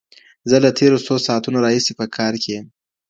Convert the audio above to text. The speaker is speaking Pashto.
زه له تېرو څو ساعتونو راهيسي په کار کي یم.